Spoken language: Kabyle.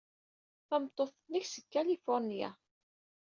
Tameṭṭut-nnek seg Kalifuṛnya.